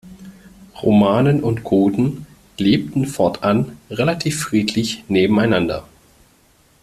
Romanen und Goten lebten fortan relativ friedlich nebeneinander.